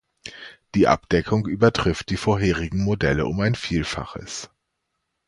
Die Abdeckung übertrifft die vorherigen Modelle um ein Vielfaches.